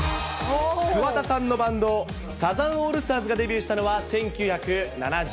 桑田さんのバンド、サザンオールスターズがデビューしたのは、１９７８年。